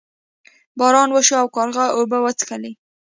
باران وشو او کارغه اوبه وڅښلې.